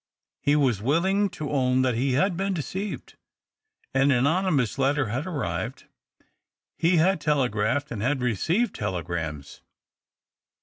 He was willinaj to own that he had been deceived. An anonymous letter had arrived — he had telegraphed, and had received teleorams.